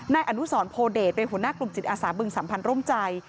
นายอนุสรโพเดชเป็นหัวหน้ากลุ่มจิตอาสาบึงสัมพันธ์ร่วมใจ